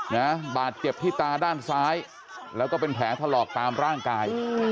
นะบาดเจ็บที่ตาด้านซ้ายแล้วก็เป็นแผลถลอกตามร่างกาย